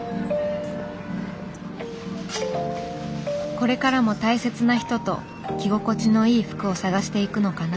これからも大切な人と着心地のいい服を探していくのかな。